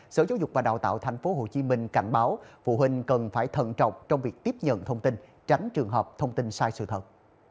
sở giáo dục và đào tạo tp hcm cảnh báo phụ huynh cần phải thận trọng trong việc tiếp nhận thông tin tránh trường hợp thông tin sai sự thật